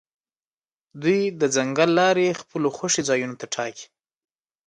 دوی د ځنګل لارې خپلو خوښې ځایونو ته ټاکي